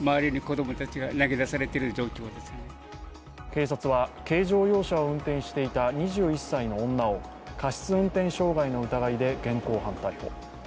警察は、軽乗用車を運転していた２１歳の女を過失運転傷害の疑いで現行犯逮捕。